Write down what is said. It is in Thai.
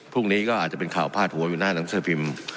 พรุ่งนี้ก็อาจจะเป็นข่าวพลาดหัวพิมพ์น่าน้ำเสื้อพิมพ์